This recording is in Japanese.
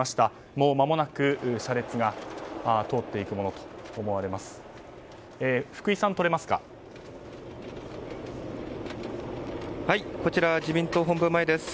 もうまもなく車列が通っていくものと思われます。